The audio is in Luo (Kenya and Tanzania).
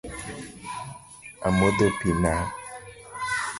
Amodho pii nam